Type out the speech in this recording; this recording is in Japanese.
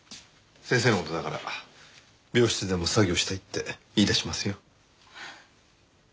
先生の事だから病室でも作業したいって言い出しますよ。